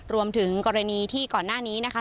รวมถึงกรณีที่ก่อนหน้านี้นะคะ